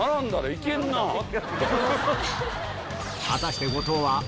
果たして後藤は